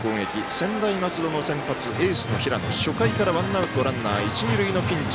専大松戸の先発エースの平野、初回からワンアウト、ランナー一塁二塁のピンチ。